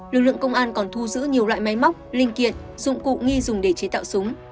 lực lượng công an còn thu giữ nhiều loại máy móc linh kiện dụng cụ nghi dùng để chế tạo súng